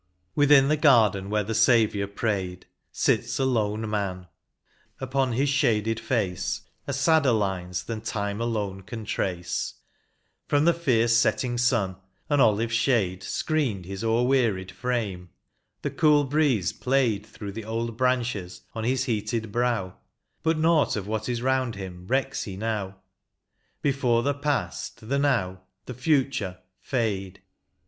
Within the garden where the Saviour prayed. Sits a lone man ; upon bis shaded face Are sadder lines than time alone can trace ; From the fierce setting sun an olive's shade Screened his o'er wearied frame, the cool breeze played Through the old branches on his heated brow, But nought of what is round him recks he now ; Before the past, the now, the future, fade.